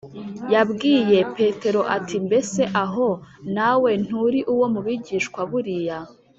yabwiye petero ati, “mbese aho nawe nturi uwo mu bigishwa b’uriya